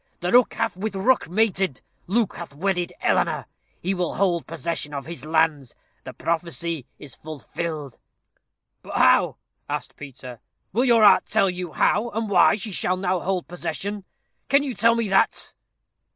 The rook hath with rook mated. Luke hath wedded Eleanor. He will hold possession of his lands. The prophecy is fulfilled." "But how?" asked Peter; "will your art tell you how and why he shall now hold possession? Can you tell me that?"